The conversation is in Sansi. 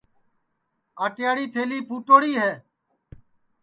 آٹیاڑی تھیلی پھٹوڑی ہے